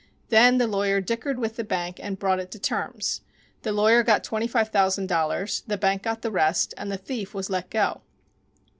Then the lawyer dickered with the bank and brought it to terms. The lawyer got twenty five thousand dollars, the bank got the rest, and the thief was let go.